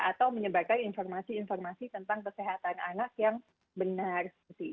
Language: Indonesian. atau menyebarkan informasi informasi tentang kesehatan anak yang benar